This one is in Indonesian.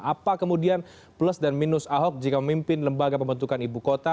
apa kemudian plus dan minus ahok jika memimpin lembaga pembentukan ibu kota